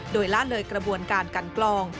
โดยละเลยกระบวนการกันกลอง